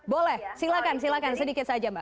boleh silakan silakan sedikit saja mbak